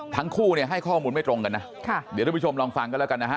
ทั้งคู่เนี่ยให้ข้อมูลไม่ตรงกันนะค่ะเดี๋ยวทุกผู้ชมลองฟังกันแล้วกันนะฮะ